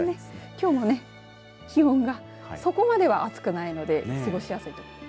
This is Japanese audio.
きょうもね、気温がそこまでは暑くないので過ごしやすいと思います。